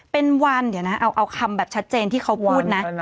เป็นวันเดี๋ยวนะเอาคำแบบชัดเจนที่เขาพูดนะ